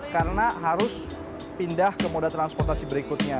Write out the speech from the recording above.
karena harus pindah ke mode transportasi berikutnya